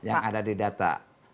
yang ada di data